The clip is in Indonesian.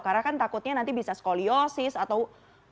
karena kan takutnya nanti bisa skoliosis atau wadah